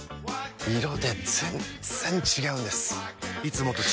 色で全然違うんです！